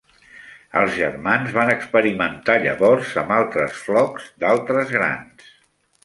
Els germans van experimentar llavors amb altres flocs d'altres grans.